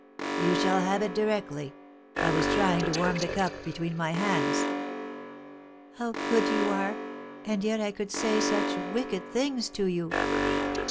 "You shall have it directly; I was trying to warm the cup between my hands." "How good you are! and yet I could say such wicked things to you!"